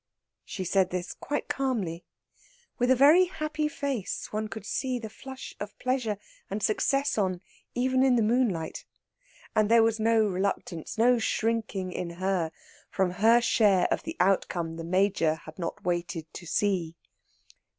She said this quite calmly, with a very happy face one could see the flush of pleasure and success on even in the moonlight, and there was no reluctance, no shrinking in her, from her share of the outcome the Major had not waited to see.